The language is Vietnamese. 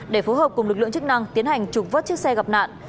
để phối hợp cùng lực lượng chức năng tiến hành trục vớt chiếc xe gặp nạn